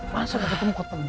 masa gak ketemu ketemu